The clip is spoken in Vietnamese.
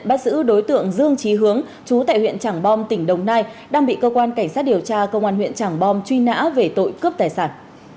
bắt giữ đối tượng dương trí hướng chú tại huyện trảng bom tỉnh đồng nai đang bị cơ quan cảnh sát điều tra công an huyện trảng bom truy nã về tội cướp tài sản